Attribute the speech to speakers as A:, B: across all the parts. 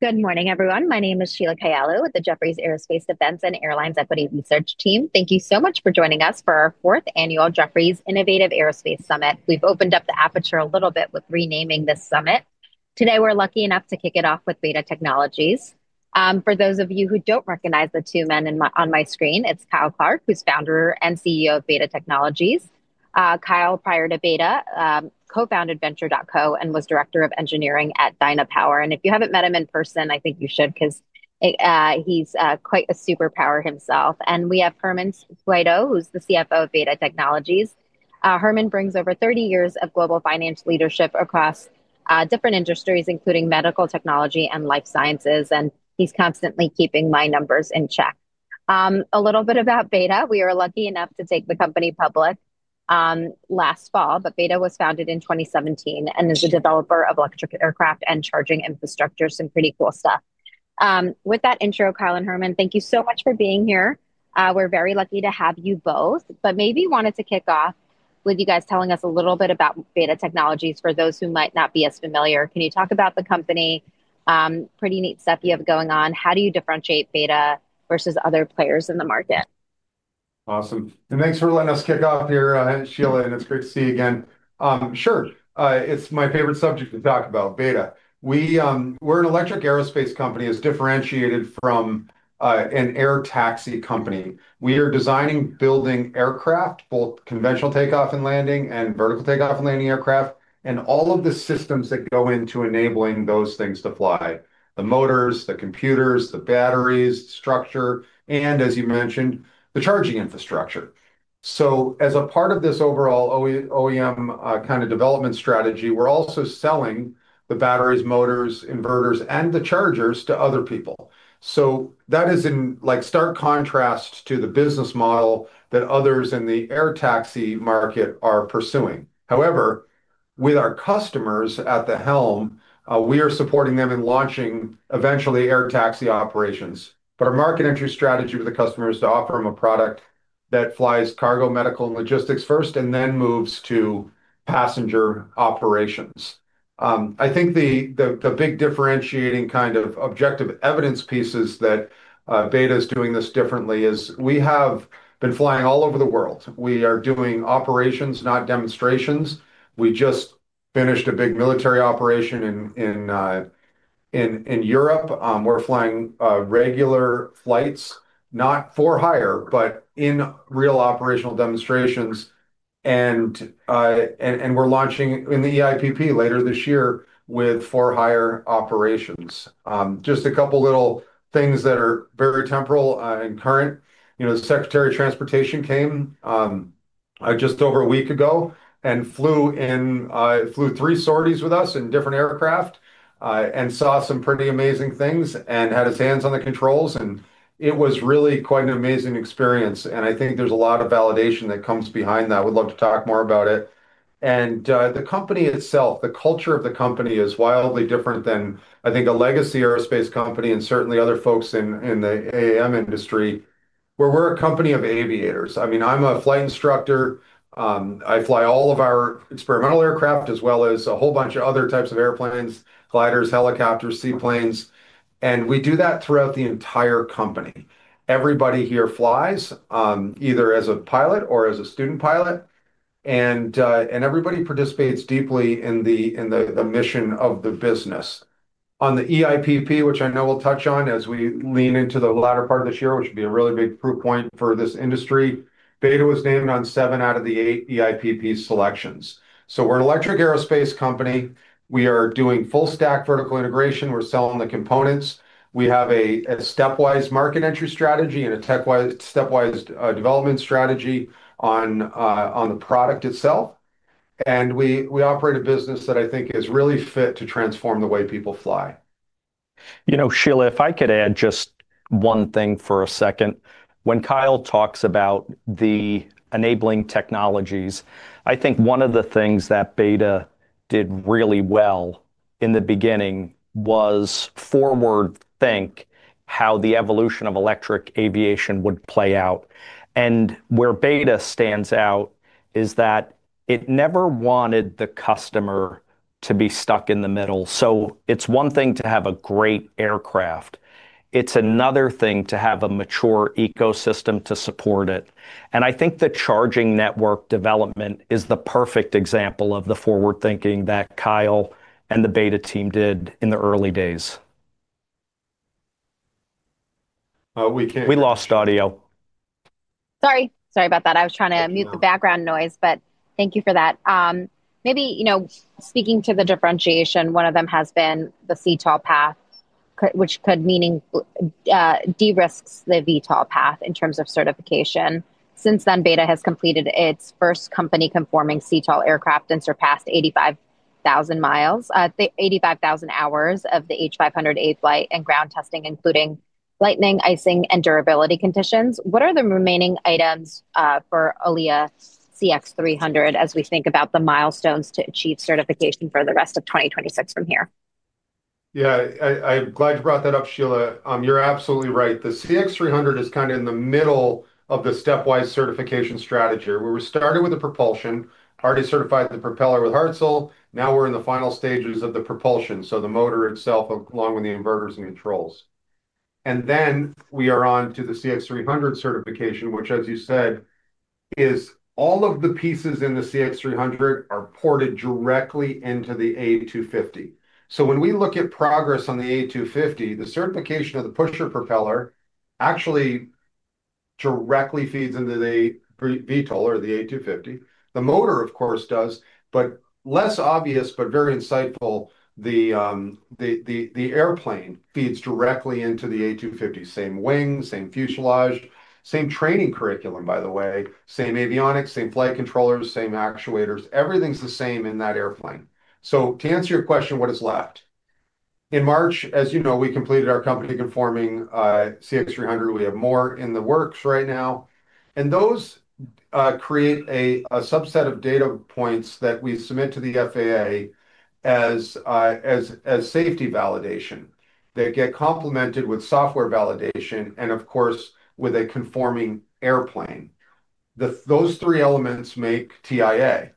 A: Good morning, everyone. My name is Sheila Kahyaoglu with the Jefferies Aerospace Events and Airlines Equity Research team. Thank you so much for joining us for our fourth annual Jefferies Innovative Aerospace Virtual Summit. We've opened up the aperture a little bit with renaming this summit. Today, we're lucky enough to kick it off with BETA Technologies. For those of you who don't recognize the two men on my screen, it's Kyle Clark, who's Founder and Chief Executive Officer of BETA Technologies. Kyle, prior to BETA, co-founded Venture.co and was Director of Engineering at Dynapower, and if you haven't met him in person, I think you should because he's quite a superpower himself. We have Herman Cueto, who's the Chief Financial Officer of BETA Technologies. Herman brings over 30 years of global finance leadership across different industries, including medical technology and life sciences, and he's constantly keeping my numbers in check. A little bit about BETA. We were lucky enough to take the company public last fall. BETA was founded in 2017 and is a developer of electric aircraft and charging infrastructure, some pretty cool stuff. With that intro, Kyle and Herman, thank you so much for being here. We're very lucky to have you both. Maybe wanted to kick off with you guys telling us a little bit about BETA Technologies for those who might not be as familiar. Can you talk about the company? Pretty neat stuff you have going on. How do you differentiate BETA versus other players in the market?
B: Awesome. Thanks for letting us kick off here, Sheila, and it's great to see you again. Sure. It's my favorite subject to talk about, BETA. We're an electric aerospace company as differentiated from an air taxi company. We are designing, building aircraft, both conventional take-off and landing and vertical take-off and landing aircraft, and all of the systems that go into enabling those things to fly, the motors, the computers, the batteries, the structure, and as you mentioned, the charging infrastructure. As a part of this overall OEM kind of development strategy, we're also selling the batteries, motors, inverters, and the chargers to other people. That is in stark contrast to the business model that others in the air taxi market are pursuing. With our customers at the helm, we are supporting them in launching, eventually, air taxi operations. Our market entry strategy with the customer is to offer them a product that flies cargo, medical, and logistics first, and then moves to passenger operations. I think the big differentiating kind of objective evidence pieces that BETA's doing this differently is we have been flying all over the world. We are doing operations, not demonstrations. We just finished a big military operation in Europe. We're flying regular flights, not for hire, but in real operational demonstrations, and we're launching in the eIPP later this year with for-hire operations. Just a couple little things that are very temporal and current. The Secretary of Transportation came just over a week ago and flew three sorties with us in different aircraft, and saw some pretty amazing things, and had his hands on the controls, and it was really quite an amazing experience, and I think there's a lot of validation that comes behind that. Would love to talk more about it. The company itself, the culture of the company is wildly different than, I think, a legacy aerospace company and certainly other folks in the AAM industry, where we're a company of aviators. I'm a flight instructor. I fly all of our experimental aircraft as well as a whole bunch of other types of airplanes, gliders, helicopters, seaplanes, and we do that throughout the entire company. Everybody here flies, either as a pilot or as a student pilot, and everybody participates deeply in the mission of the business. On the eIPP, which I know we'll touch on as we lean into the latter part of this year, which will be a really big proof point for this industry, BETA was named on seven out of the eight eIPP selections. We're an electric aerospace company. We are doing full-stack vertical integration. We're selling the components. We have a stepwise market entry strategy and a stepwise development strategy on the product itself, and we operate a business that I think is really fit to transform the way people fly.
C: Sheila, if I could add just one thing for a second. When Kyle talks about the enabling technologies, I think one of the things that BETA did really well in the beginning was forward-think how the evolution of electric aviation would play out. Where BETA stands out is that it never wanted the customer to be stuck in the middle. It's one thing to have a great aircraft, it's another thing to have a mature ecosystem to support it, and I think the charging network development is the perfect example of the forward thinking that Kyle and the BETA team did in the early days.
B: We can't hear you.
C: We lost audio.
A: Sorry. Sorry about that. I was trying to mute the background noise, but thank you for that. Maybe speaking to the differentiation, one of them has been the CTOL path, which de-risks the VTOL path in terms of certification. Since then, BETA has completed its first company-conforming CTOL aircraft and surpassed 85,000 hours of the H500A flight and ground testing, including lightning, icing, and durability conditions. What are the remaining items for ALIA CX300 as we think about the milestones to achieve certification for the rest of 2026 from here?
B: Yeah. I'm glad you brought that up, Sheila. You're absolutely right. The CX300 is kind of in the middle of the stepwise certification strategy, where we started with the propulsion, already certified the propeller with Hartzell. We are in the final stages of the propulsion, so the motor itself, along with the inverters and controls. We are on to the CX300 certification, which as you said, is all of the pieces in the CX300 are ported directly into the A250. When we look at progress on the A250, the certification of the pusher propeller actually directly feeds into the VTOL or the A250. The motor, of course, does, but less obvious, but very insightful, the airplane feeds directly into the A250. Same wing, same fuselage, same training curriculum by the way, same avionics, same flight controllers, same actuators. Everything's the same in that airplane. To answer your question, what is left? In March, as you know, we completed our company conforming CX300. We have more in the works right now, and those create a subset of data points that we submit to the FAA as safety validation. They get complemented with software validation and of course, with a conforming airplane. Those three elements make TIA.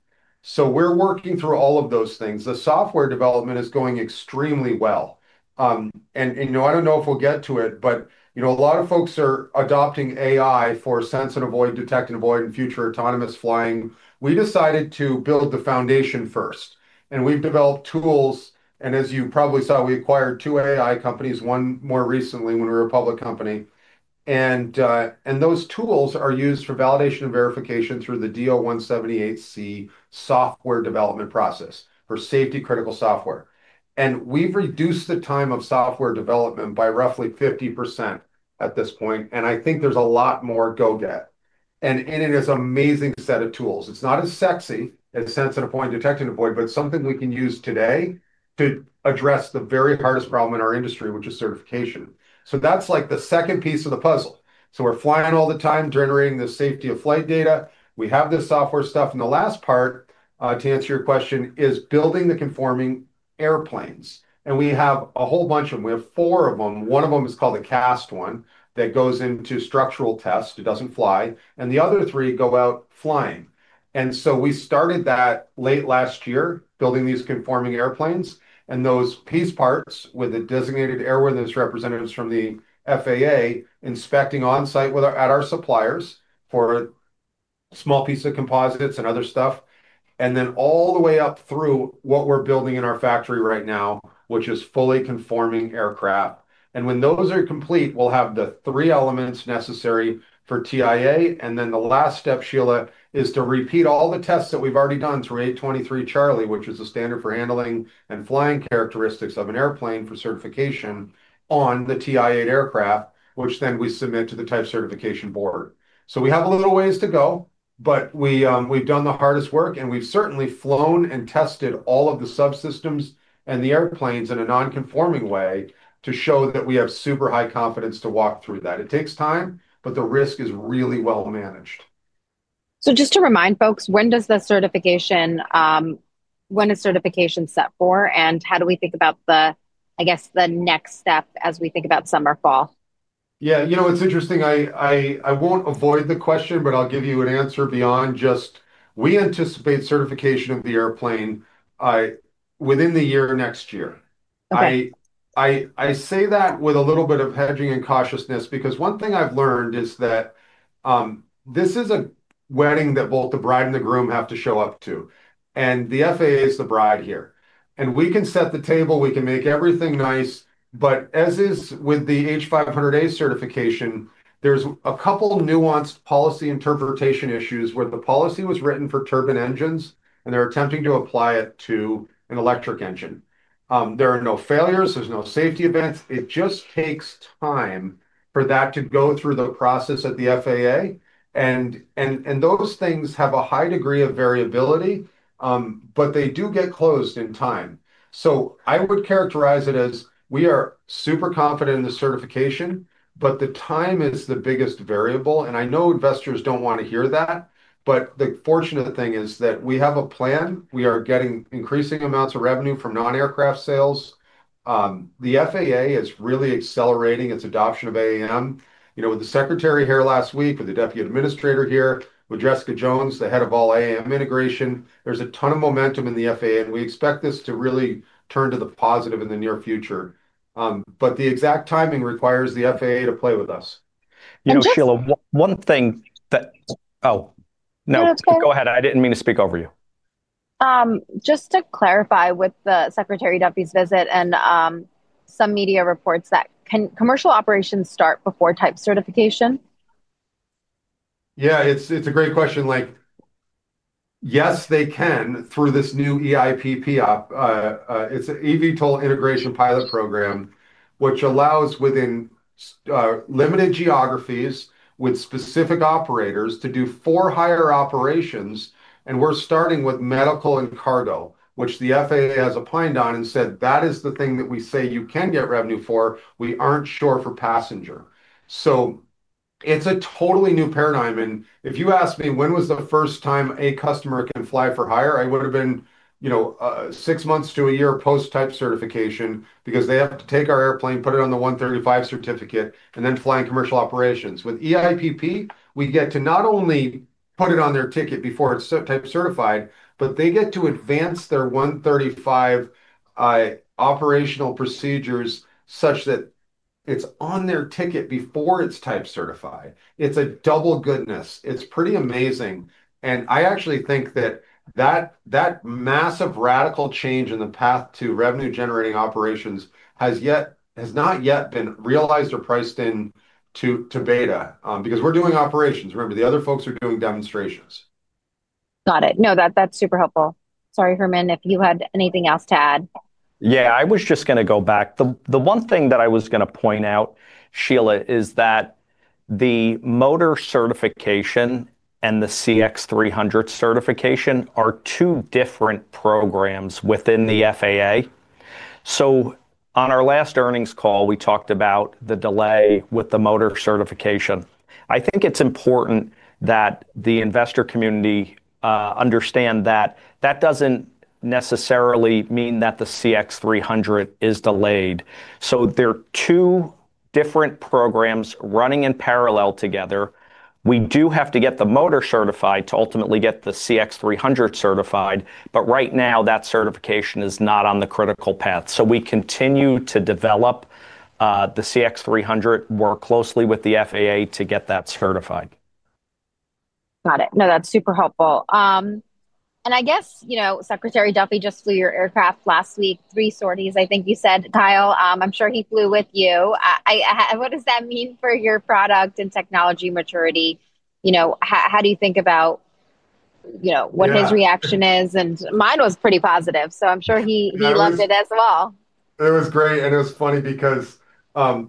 B: We're working through all of those things. The software development is going extremely well. I don't know if we'll get to it, but a lot of folks are adopting AI for sense and avoid, detect and avoid in future autonomous flying. We decided to build the foundation first, and we've developed tools, and as you probably saw, we acquired two AI companies, one more recently when we were a public company. Those tools are used for validation and verification through the DO-178C software development process for safety critical software. We've reduced the time of software development by roughly 50% at this point, and I think there's a lot more go get, and in it is amazing set of tools. It's not as sexy as sense and avoid and detect and avoid, but it's something we can use today to address the very hardest problem in our industry, which is certification. That's like the second piece of the puzzle. We're flying all the time, generating the safety of flight data. We have this software stuff, and the last part, to answer your question, is building the conforming airplanes. We have a whole bunch of them. We have four of them. One of them is called a cast one that goes into structural tests. It doesn't fly. The other three go out flying. We started that late last year, building these conforming airplanes, and those piece parts with the designated airworthiness representatives from the FAA inspecting on site at our suppliers for small piece of composites and other stuff. All the way up through what we're building in our factory right now, which is fully conforming aircraft. When those are complete, we'll have the three elements necessary for TIA. The last step, Sheila, is to repeat all the tests that we've already done through 823 Charlie, which is a standard for handling and flying characteristics of an airplane for certification on the TIA aircraft, which then we submit to the Type Certification Board. We have a little ways to go, but we've done the hardest work, and we've certainly flown and tested all of the subsystems and the airplanes in a non-conforming way to show that we have super high confidence to walk through that. It takes time, but the risk is really well managed.
A: Just to remind folks, when is certification set for, and how do we think about the next step as we think about summer, fall?
B: Yeah. It's interesting. I won't avoid the question, but I'll give you an answer beyond just we anticipate certification of the airplane within the year next year.
A: Okay.
B: I say that with a little bit of hedging and cautiousness because one thing I've learned is that this is a wedding that both the bride and the groom have to show up to, and the FAA is the bride here. We can set the table, we can make everything nice, but as is with the H500A certification, there's a couple nuanced policy interpretation issues where the policy was written for turbine engines, and they're attempting to apply it to an electric engine. There are no failures. There's no safety events. It just takes time for that to go through the process at the FAA, and those things have a high degree of variability, but they do get closed in time. I would characterize it as we are super confident in the certification, but the time is the biggest variable, and I know investors don't want to hear that, but the fortunate thing is that we have a plan. We are getting increasing amounts of revenue from non-aircraft sales. The FAA is really accelerating its adoption of AAM. With the secretary here last week, with the deputy administrator here, with Jessica Jones, the head of all AAM integration, there's a ton of momentum in the FAA, and we expect this to really turn to the positive in the near future. The exact timing requires the FAA to play with us.
A: And just-
C: Sheila, one thing. Oh, no.
A: No, that's okay.
C: Go ahead. I didn't mean to speak over you.
A: Just to clarify with Secretary Duffy's visit and some media reports that can commercial operations start before type certification?
B: It's a great question. Yes, they can through this new eIPP. It's an eVTOL integration pilot program, which allows within limited geographies with specific operators to do for hire operations, and we're starting with medical and cargo, which the FAA has opined on and said, "That is the thing that we say you can get revenue for. We aren't sure for passenger." It's a totally new paradigm, and if you ask me when was the first time a customer can fly for hire, I would've been six months to one year post type certification because they have to take our airplane, put it on the Part 135 certificate, and then fly in commercial operations. With eIPP, we get to not only put it on their ticket before it's type certified, but they get to advance their Part 135 operational procedures such that it's on their ticket before it's type certified. It's a double goodness. It's pretty amazing, and I actually think that that massive, radical change in the path to revenue-generating operations has not yet been realized or priced into BETA because we're doing operations. Remember, the other folks are doing demonstrations.
A: Got it. That's super helpful. Sorry, Herman, if you had anything else to add.
C: I was just going to go back. The one thing that I was going to point out, Sheila, is that the motor certification and the CX300 certification are two different programs within the FAA. On our last earnings call, we talked about the delay with the motor certification. I think it's important that the investor community understand that that doesn't necessarily mean that the CX300 is delayed. They're two different programs running in parallel together. We do have to get the motor certified to ultimately get the CX300 certified. Right now, that certification is not on the critical path. We continue to develop the CX300, work closely with the FAA to get that certified.
A: Got it. No, that's super helpful. I guess Secretary Duffy just flew your aircraft last week, three sorties I think you said, Kyle. I'm sure he flew with you. What does that mean for your product and technology maturity? How do you think about-
B: Yeah.
A: ...what his reaction is? Mine was pretty positive, so I'm sure he-
B: It was-
A: ..loved it as well.
B: It was great. It was funny because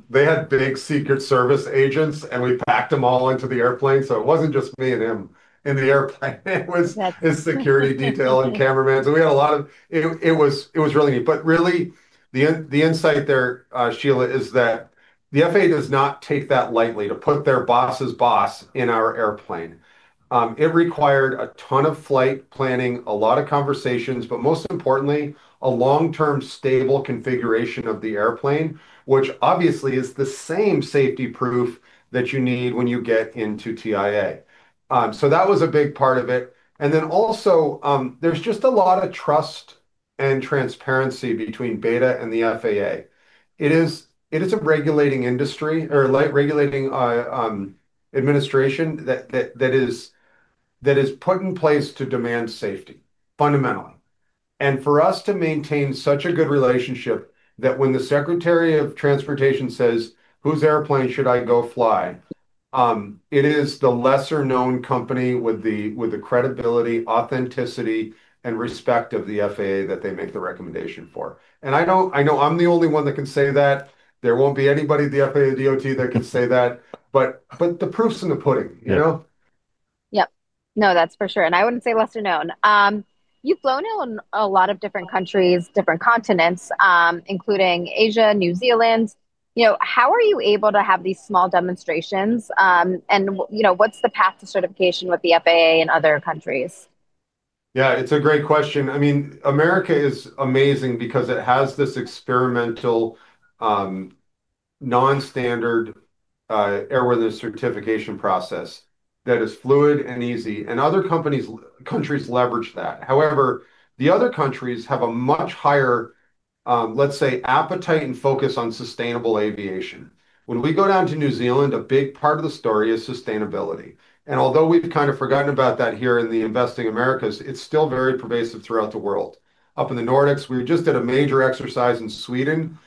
B: they had big Secret Service agents. We packed them all into the airplane, so it wasn't just me and him in the airplane. It was-
A: Yeah.
B: ...his security detail and cameraman. It was really neat. Really, the insight there, Sheila, is that the FAA does not take that lightly to put their boss's boss in our airplane. It required a ton of flight planning, a lot of conversations, but most importantly, a long-term stable configuration of the airplane, which obviously is the same safety proof that you need when you get into TIA. That was a big part of it. Also, there's just a lot of trust and transparency between BETA and the FAA. It is a regulating industry or regulating administration that is put in place to demand safety, fundamentally. For us to maintain such a good relationship that when the Secretary of Transportation says, "Whose airplane should I go fly?" It is the lesser-known company with the credibility, authenticity, and respect of the FAA that they make the recommendation for. I know I'm the only one that can say that. There won't be anybody at the FAA or DOT that can say that. The proof's in the pudding.
C: Yeah.
A: Yep. No, that's for sure. I wouldn't say lesser known. You've flown in a lot of different countries, different continents, including Asia, New Zealand. How are you able to have these small demonstrations? What's the path to certification with the FAA in other countries?
B: Yeah, it's a great question. America is amazing because it has this experimental, non-standard airworthiness certification process that is fluid and easy, other countries leverage that. The other countries have a much higher, let's say, appetite and focus on sustainable aviation. When we go down to New Zealand, a big part of the story is sustainability. Although we've kind of forgotten about that here in the investing Americas, it's still very pervasive throughout the world. Up in the Nordics, we just did a major exercise in Sweden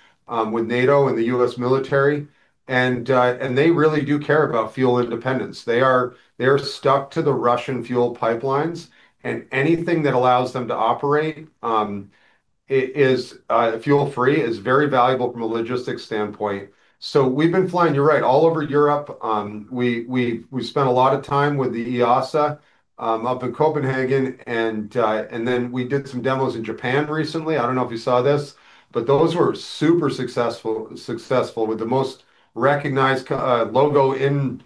B: with NATO and the U.S. military, they really do care about fuel independence. They're stuck to the Russian fuel pipelines, anything that allows them to operate fuel-free is very valuable from a logistics standpoint. We've been flying, you're right, all over Europe. We spent a lot of time with the EASA up in Copenhagen, we did some demos in Japan recently. I don't know if you saw this, those were super successful with the most recognized logo in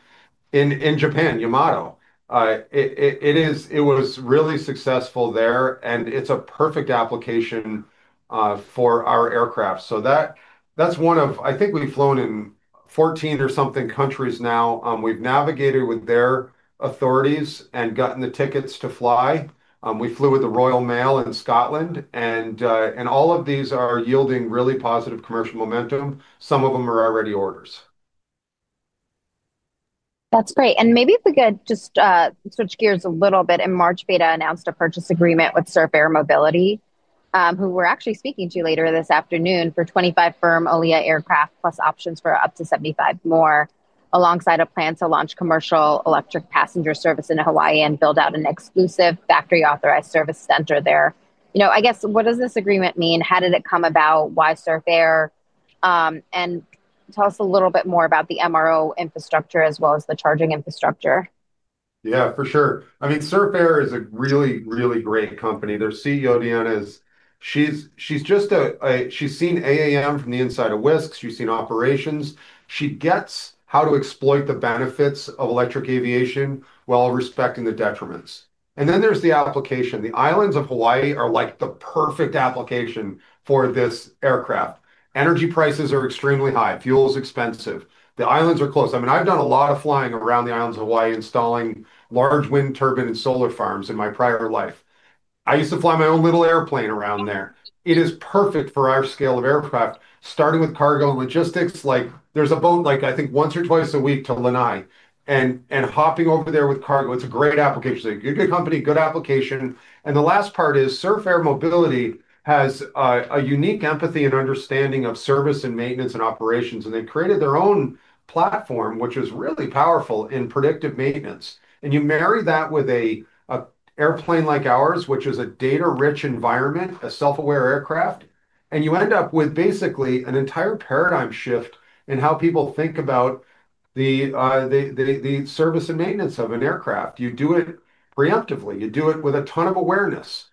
B: Japan, Yamato. It was really successful there, it's a perfect application for our aircraft. That's one of-- I think we've flown in 14 or something countries now. We've navigated with their authorities and gotten the tickets to fly. We flew with the Royal Mail in Scotland, all of these are yielding really positive commercial momentum. Some of them are already orders.
A: That's great, maybe if we could just switch gears a little bit. In March, BETA announced a purchase agreement with Surf Air Mobility, who we're actually speaking to later this afternoon, for 25 firm ALIA aircraft, plus options for up to 75 more, alongside a plan to launch commercial electric passenger service into Hawaii and build out an exclusive factory-authorized service center there. I guess, what does this agreement mean? How did it come about? Why Surf Air? Tell us a little bit more about the MRO infrastructure as well as the charging infrastructure.
B: Yeah, for sure. Surf Air is a really, really great company. Their CEO, Deanna, she's seen AAM from the inside of Wisk. She's seen operations. She gets how to exploit the benefits of electric aviation while respecting the detriments. There's the application. The islands of Hawaii are like the perfect application for this aircraft. Energy prices are extremely high. Fuel is expensive. The islands are close. I've done a lot of flying around the islands of Hawaii, installing large wind turbine and solar farms in my prior life. I used to fly my own little airplane around there. It is perfect for our scale of aircraft, starting with cargo and logistics. There's a boat, I think, once or twice a week to Lanai, hopping over there with cargo, it's a great application. Good company, good application. The last part is Surf Air Mobility has a unique empathy and understanding of service and maintenance and operations, and they've created their own platform, which is really powerful in predictive maintenance. You marry that with an airplane like ours, which is a data-rich environment, a self-aware aircraft, and you end up with basically an entire paradigm shift in how people think about the service and maintenance of an aircraft. You do it preemptively. You do it with a ton of awareness.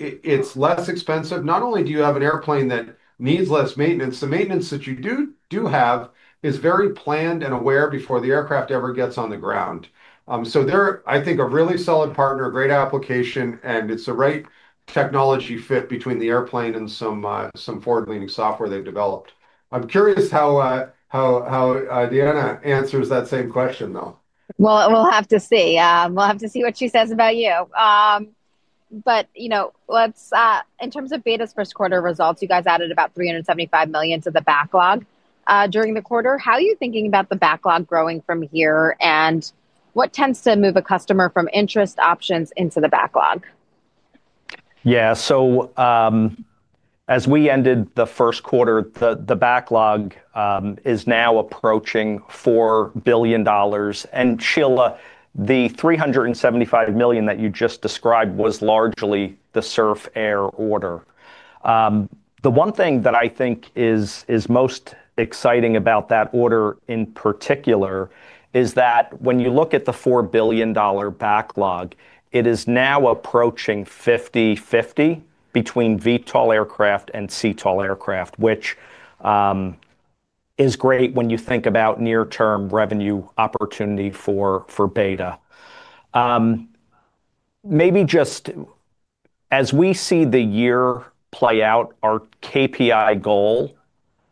B: It's less expensive. Not only do you have an airplane that needs less maintenance, the maintenance that you do have is very planned and aware before the aircraft ever gets on the ground. They're, I think, a really solid partner, a great application, and it's the right technology fit between the airplane and some forward-leaning software they've developed. I'm curious how Deanna answers that same question, though.
A: We'll have to see. We'll have to see what she says about you. In terms of BETA's first quarter results, you guys added about $375 million to the backlog during the quarter. How are you thinking about the backlog growing from here, and what tends to move a customer from interest options into the backlog?
C: As we ended the first quarter, the backlog is now approaching $4 billion. Sheila, the $375 million that you just described was largely the Surf Air order. The one thing that I think is most exciting about that order in particular is that when you look at the $4 billion backlog, it is now approaching 50/50 between VTOL aircraft and CTOL aircraft, which is great when you think about near-term revenue opportunity for BETA. Maybe just as we see the year play out, our KPI goal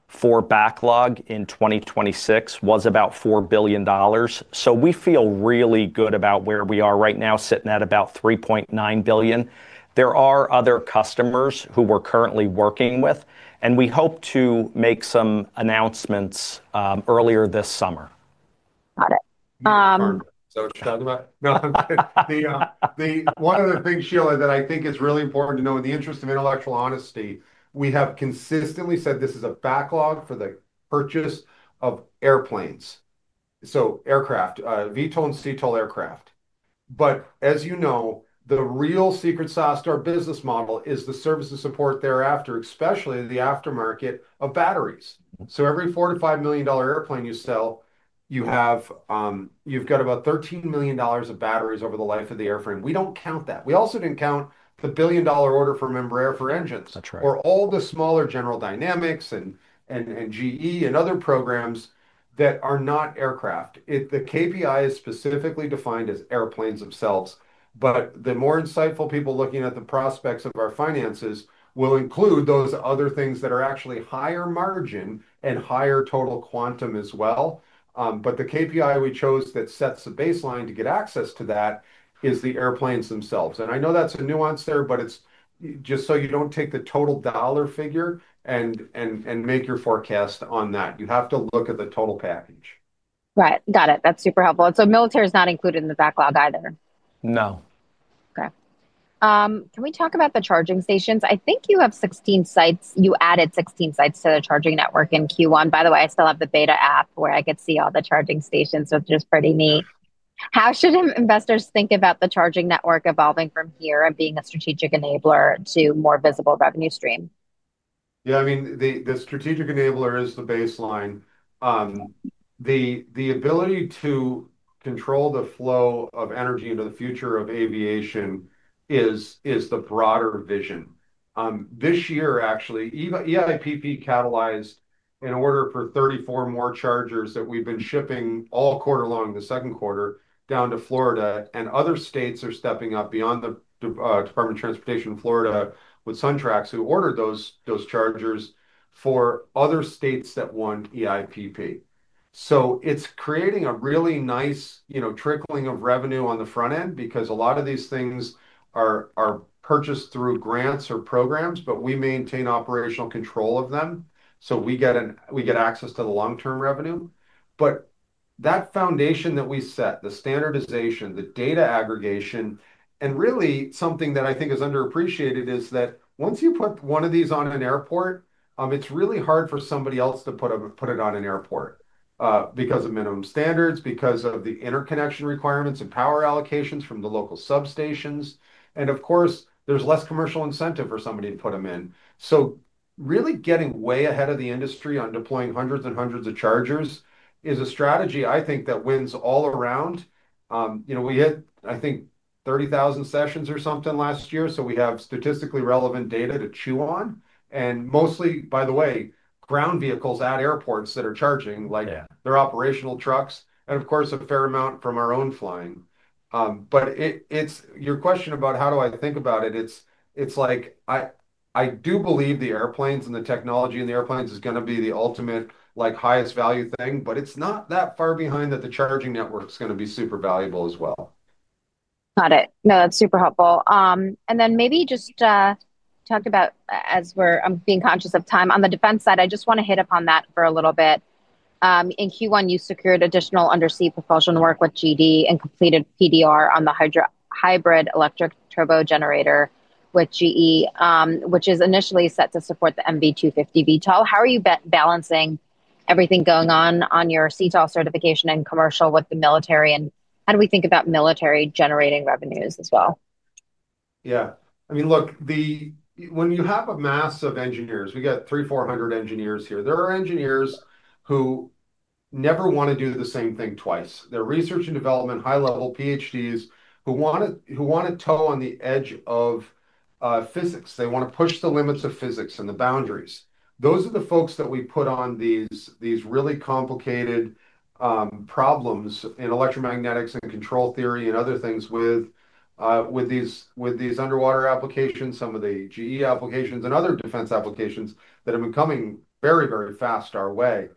C: for backlog in 2026 was about $4 billion, so we feel really good about where we are right now, sitting at about $3.9 billion. There are other customers who we're currently working with, and we hope to make some announcements earlier this summer.
A: Got it.
B: Is that what you're talking about? No, I'm kidding. One of the things, Sheila, that I think is really important to know in the interest of intellectual honesty, we have consistently said this is a backlog for the purchase of airplanes. Aircraft, VTOL and CTOL aircraft. As you know, the real secret sauce to our business model is the service and support thereafter, especially the aftermarket of batteries. Every $4 million-$5 million airplane you sell, you've got about $13 million of batteries over the life of the airframe. We don't count that. We also didn't count the $1 billion order from Embraer for engines.
C: That's right.
B: All the smaller General Dynamics and GE and other programs that are not aircraft. The KPI is specifically defined as airplanes themselves, the more insightful people looking at the prospects of our finances will include those other things that are actually higher margin and higher total quantum as well. The KPI we chose that sets the baseline to get access to that is the airplanes themselves. I know that's a nuance there, but it's just you don't take the total dollar figure and make your forecast on that. You have to look at the total package.
A: Right. Got it. That's super helpful. Military is not included in the backlog either?
C: No.
A: Okay. Can we talk about the charging stations? I think you have 16 sites. You added 16 sites to the charging network in Q1. By the way, I still have the BETA app where I could see all the charging stations, so it's just pretty neat. How should investors think about the charging network evolving from here and being a strategic enabler to more visible revenue stream?
B: Yeah, the strategic enabler is the baseline. The ability to control the flow of energy into the future of aviation is the broader vision. This year, actually, eIPP catalyzed an order for 34 more chargers that we've been shipping all quarter long, the second quarter, down to Florida, and other states are stepping up beyond the Florida Department of Transportation with SunTrax, who ordered those chargers for other states that want eIPP. It's creating a really nice trickling of revenue on the front end because a lot of these things are purchased through grants or programs, but we maintain operational control of them, so we get access to the long-term revenue. That foundation that we set, the standardization, the data aggregation, and really something that I think is underappreciated is that once you put one of these on an airport, it's really hard for somebody else to put it on an airport, because of minimum standards, because of the interconnection requirements and power allocations from the local substations, and of course, there's less commercial incentive for somebody to put them in. Really getting way ahead of the industry on deploying hundreds and hundreds of chargers is a strategy, I think, that wins all around. We hit, I think, 30,000 sessions or something last year, so we have statistically relevant data to chew on, and mostly, by the way, ground vehicles at airports that are charging-
C: Yeah.
B: ...their operational trucks, of course, a fair amount from our own flying. Your question about how do I think about it's I do believe the airplanes and the technology in the airplanes is going to be the ultimate highest value thing, but it's not that far behind that the charging network's going to be super valuable as well.
A: Got it. That's super helpful. Then maybe just talk about, as we're being conscious of time, on the defense side, I just want to hit upon that for a little bit. In Q1, you secured additional undersea propulsion work with GD and completed PDR on the hybrid electric turbo generator with GE, which is initially set to support the MV250 VTOL. How are you balancing everything going on your CTOL certification and commercial with the military, how do we think about military generating revenues as well?
B: Yeah. Look, when you have a mass of engineers, we got 300 or 400 engineers here. There are engineers who never want to do the same thing twice. They're research and development, high-level PhDs who want to toe on the edge of physics. They want to push the limits of physics and the boundaries. Those are the folks that we put on these really complicated problems in electromagnetics and control theory and other things with these underwater applications, some of the GE applications, and other defense applications that have been coming very fast our way.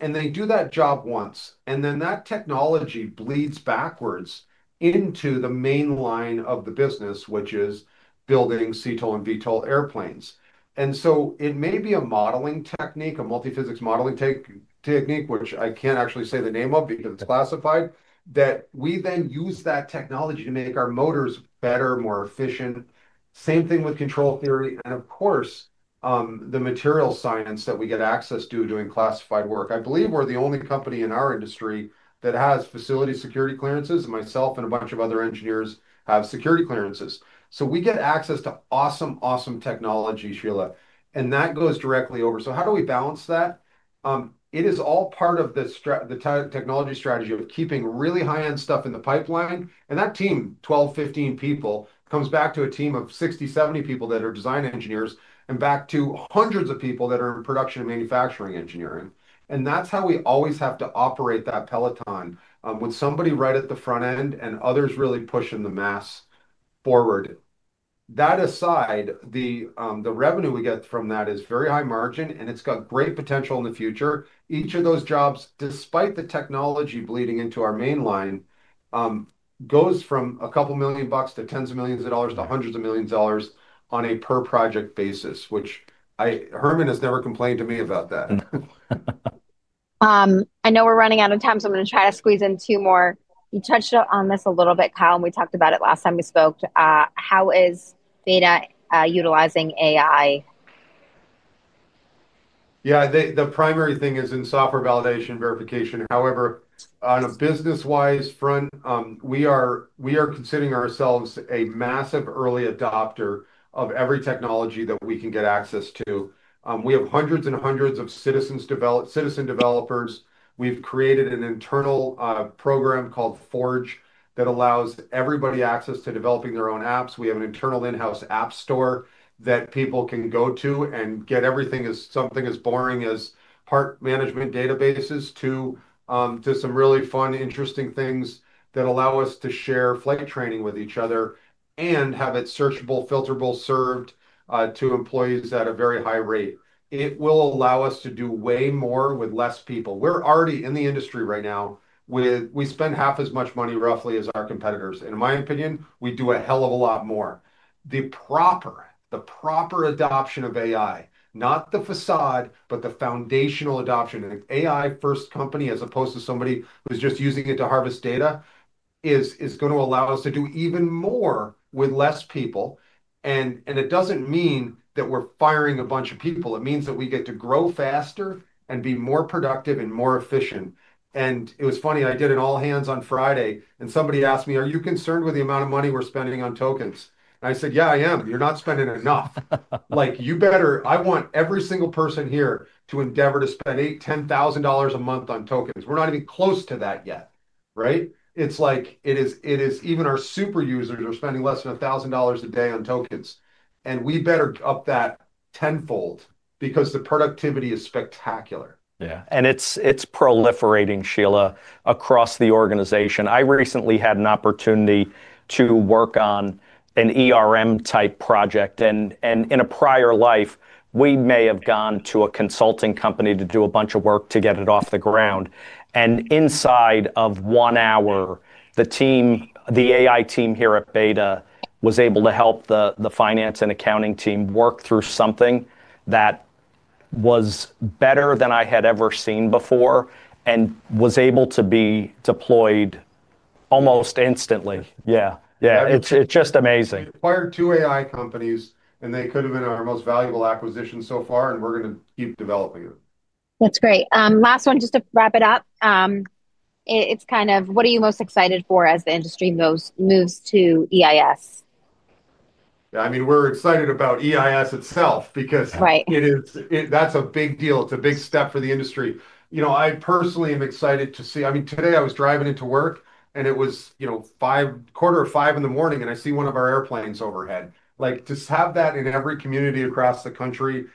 B: They do that job once, and then that technology bleeds backwards into the main line of the business, which is building CTOL and VTOL airplanes. It may be a modeling technique, a multiphysics modeling technique, which I can't actually say the name of because it's classified, that we then use that technology to make our motors better, more efficient. Same thing with control theory and, of course, the material science that we get access to doing classified work. I believe we're the only company in our industry that has facility security clearances. Myself and a bunch of other engineers have security clearances. We get access to awesome technology, Sheila, and that goes directly over. How do we balance that? It is all part of the technology strategy of keeping really high-end stuff in the pipeline, and that team, 12, 15 people, comes back to a team of 60, 70 people that are design engineers and back to hundreds of people that are in production and manufacturing engineering. That's how we always have to operate that peloton with somebody right at the front end and others really pushing the mass forward. That aside, the revenue we get from that is very high margin, it's got great potential in the future. Each of those jobs, despite the technology bleeding into our main line, goes from a couple million bucks to tens of millions of dollars to hundreds of millions of dollars on a per project basis, Herman has never complained to me about that.
A: I know we're running out of time, I'm going to try to squeeze in two more. You touched on this a little bit, Kyle, We talked about it last time we spoke. How is BETA utilizing AI?
B: The primary thing is in software validation verification. On a business-wise front, we are considering ourselves a massive early adopter of every technology that we can get access to. We have hundreds and hundreds of citizen developers. We've created an internal program called Forge that allows everybody access to developing their own apps. We have an internal in-house app store that people can go to and get everything as something as boring as part management databases to some really fun, interesting things that allow us to share flight training with each other and have it searchable, filterable, served to employees at a very high rate. It will allow us to do way more with less people. We're already in the industry right now, we spend half as much money, roughly, as our competitors, In my opinion, we do a hell of a lot more. The proper adoption of AI, not the façade, but the foundational adoption, an AI-first company as opposed to somebody who's just using it to harvest data, is going to allow us to do even more with less people. It doesn't mean that we're firing a bunch of people. It means that we get to grow faster and be more productive and more efficient. It was funny, I did an all-hands on Friday, somebody asked me, "Are you concerned with the amount of money we're spending on tokens?" I said, "Yeah, I am. You're not spending enough." I want every single person here to endeavor to spend $8,000, $10,000 a month on tokens. We're not even close to that yet. Right? It's like even our super users are spending less than $1,000 a day on tokens. We better up that tenfold because the productivity is spectacular.
C: Yeah. It's proliferating, Sheila, across the organization. I recently had an opportunity to work on an ERM type project. In a prior life, we may have gone to a consulting company to do a bunch of work to get it off the ground. Inside of one hour, the AI team here at BETA was able to help the finance and accounting team work through something that was better than I had ever seen before and was able to be deployed almost instantly. Yeah. It's just amazing.
B: We acquired two AI companies. They could've been our most valuable acquisition so far. We're going to keep developing it.
A: That's great. Last one, just to wrap it up. It's kind of what are you most excited for as the industry moves to EIS?
B: We're excited about EIS itself because-
A: Right.
B: ...That's a big deal. It's a big step for the industry. I personally am excited to see today I was driving into work, it was quarter to 5:00 A.M. in the morning, and I see one of our airplanes overhead. To have that in every community across the country is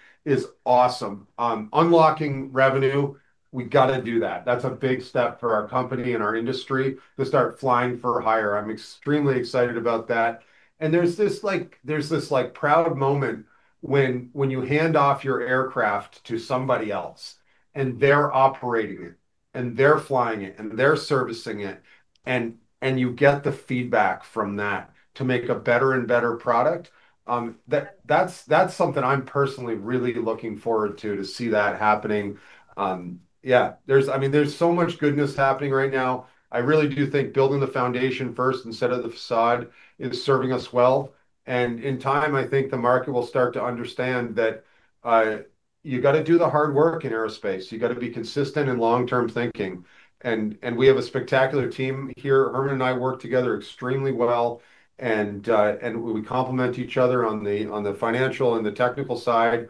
B: awesome. Unlocking revenue, we got to do that. That's a big step for our company and our industry to start flying for hire. I'm extremely excited about that. There's this proud moment when you hand off your aircraft to somebody else and they're operating it and they're flying it and they're servicing it, and you get the feedback from that to make a better and better product. That's something I'm personally really looking forward to see that happening. Yeah. There's so much goodness happening right now. I really do think building the foundation first instead of the façade is serving us well. In time, I think the market will start to understand that you got to do the hard work in aerospace. You got to be consistent in long-term thinking. We have a spectacular team here. Herman and I work together extremely well, and we complement each other on the financial and the technical side.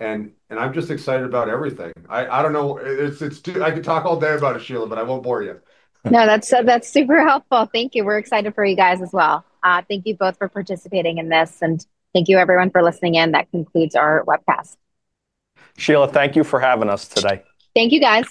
B: I'm just excited about everything. I don't know. I could talk all day about it, Sheila, I won't bore you.
A: That's super helpful. Thank you. We're excited for you guys as well. Thank you both for participating in this. Thank you everyone for listening in. That concludes our webcast.
C: Sheila, thank you for having us today.
A: Thank you, guys.